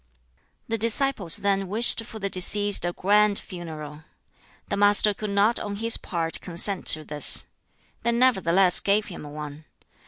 The disciples then wished for the deceased a grand funeral. The Master could not on his part consent to this. They nevertheless gave him one.